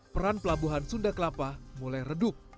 peran pelabuhan sunda kelapa mulai redup